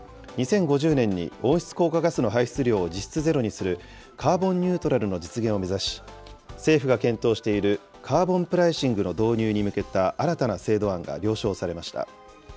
２０５０年に温室効果ガスの排出量を実質ゼロにするカーボンニュートラルの実現を目指し、政府が検討しているカーボンプライシングの導入に向けた新たな制度案が了承されました。